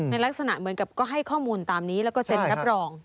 ลักษณะเหมือนกับก็ให้ข้อมูลตามนี้แล้วก็เซ็นรับรอง